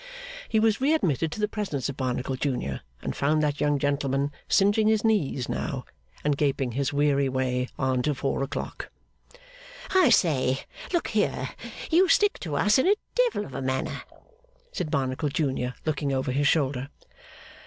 He was readmitted to the presence of Barnacle junior, and found that young gentleman singeing his knees now, and gaping his weary way on to four o'clock. 'I say. Look here. You stick to us in a devil of a manner,' Said Barnacle junior, looking over his shoulder.